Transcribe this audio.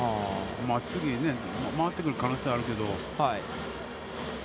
次、回ってくる可能性はあるけど。